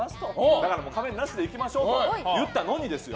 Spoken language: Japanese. だから仮面なしで行きましょうって言ったのにですよ。